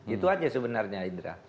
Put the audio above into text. itu saja sebenarnya indra